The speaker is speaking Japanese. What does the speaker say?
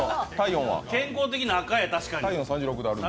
健康的な赤や、確かに。